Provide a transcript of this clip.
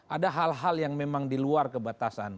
ada hal hal yang memang di luar kebatasan